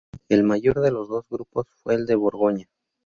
El mayor de los dos grupos fue el de Borgoña.